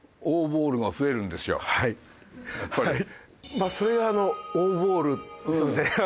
まあそれが王ボールすいませんあの。